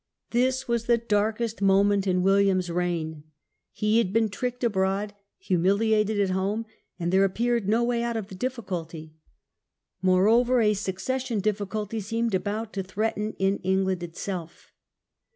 This was the darkest moment in William^s reign. He had been tricked abroad, humiliated at home, and there The lowest appeared no way out of the difficulty. More ebb, over a succession difficulty seemed about to threaten in England itself.